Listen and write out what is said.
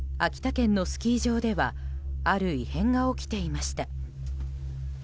秋田県のスキー場ではある異変が起きていました。